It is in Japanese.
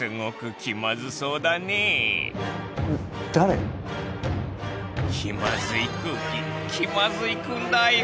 気まずい空気気まずいくんだよ。